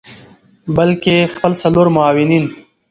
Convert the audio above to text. بلکه خپل څلور معاونین